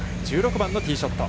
１６番のティーショット。